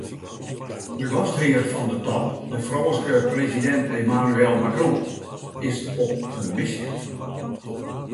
De gasthear fan de top, de Frânske presidint Emmanuel Macron, is op in misje.